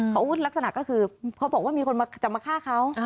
เขาลักษณะก็คือเขาบอกว่ามีคนมาจะมาฆ่าเขา